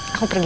aku pergi ya